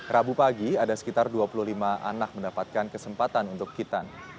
rabu pagi ada sekitar dua puluh lima anak mendapatkan kesempatan untuk kitan